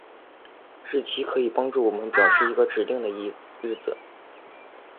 日期可以帮助我们表示一个指定的日子。